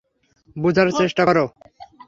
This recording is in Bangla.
বুঝার চেষ্টা কর।